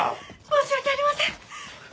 申し訳ありません！